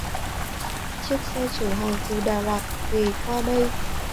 Chiếc xe chở hàng từ Đà Lạt về qua đây